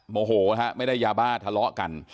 โมโหฮะไม่ได้ยาบ้าทะเลาะกัน